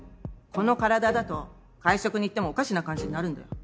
この体だと会食に行ってもおかしな感じになるんだよ。